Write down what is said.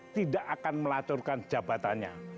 tidak akan melaturkan jabatannya